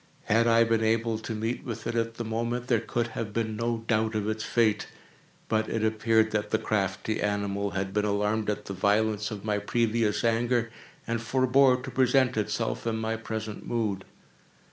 Had I been able to meet with it, at the moment, there could have been no doubt of its fate; but it appeared that the crafty animal had been alarmed at the violence of my previous anger, and forebore to present itself in my present mood.